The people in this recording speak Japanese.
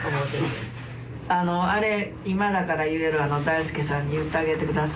今だから言える大助さんに言ってあげてください。